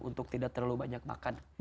untuk tidak terlalu banyak makan